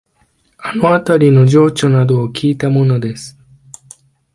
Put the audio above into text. あのあたりの情緒などをきいたものです